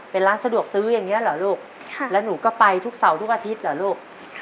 เป็นร้านสะดวกซื้ออย่างนี้เหรอลูกแล้วหนูก็ไปทุกเสาร์ทุกอาทิตย์เหรอลูก